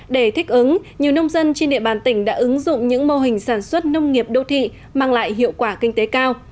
để thích ứng nhiều nông dân trên địa bàn tỉnh đã ứng dụng những mô hình sản xuất nông nghiệp đô thị mang lại hiệu quả kinh tế cao